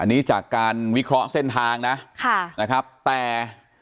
อันนี้จากการวิเคราะห์เส้นทางนะค่ะนะครับแต่